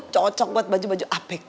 cocok buat baju baju apk